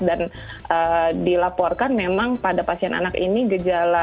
dan dilaporkan memang pada pasien anak ini gejala